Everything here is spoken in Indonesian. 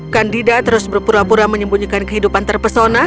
kandida terus berpura pura menyembunyikan kehidupan terpesona